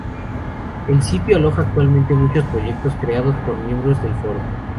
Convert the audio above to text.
El sitio aloja actualmente muchos proyectos creados por miembros del foro.